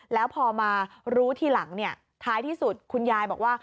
แล้วพอมารู้ทีหลังท้ายที่สุดคุณยายบอกว่า